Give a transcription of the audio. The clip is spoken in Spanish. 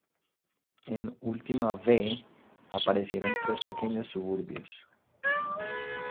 En "Ultima V", aparecieron tres pequeños suburbios.